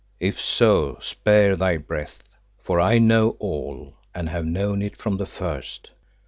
If so, spare thy breath, for I know all, and have known it from the first.